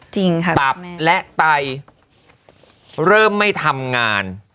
จริงค่ะตับและไตเริ่มไม่ทำงาน